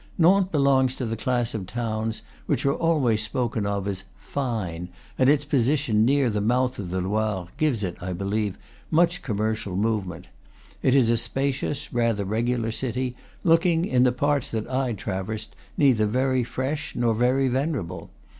Nantes be longs to the class of towns which are always spoken of as "fine," and its position near the mouth of the Loire gives it, I believe, much commercial movement. It is a spacious, rather regular city, looking, in the parts that I traversed, neither very fresh nor very venerable.